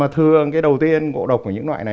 thường ngộ độc của những loại loại này